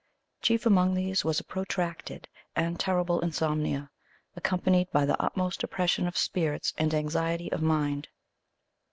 Chief among these was a protracted and terrible insomnia, accompanied by the utmost depression of spirits and anxiety of mind.